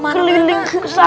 keliling ke santren